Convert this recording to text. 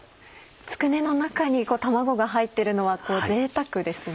つくねの中に卵が入ってるのは贅沢ですね。